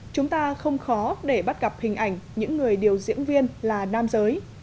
chúng ta không khó để bắt gặp hình ảnh những người điều diễn viên là nam giới